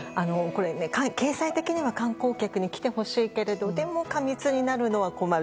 経済的には観光客に来てほしいけれど、でも過密になるのは困る。